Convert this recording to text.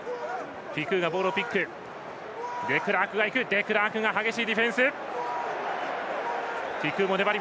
デクラークが激しいディフェンス。